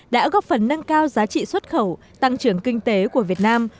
đã góp phần nâng cao giá trị xuất khẩu tăng trưởng kinh tế của việt nam